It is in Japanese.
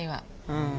うん。